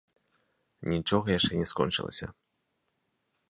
Нічога яшчэ не скончылася.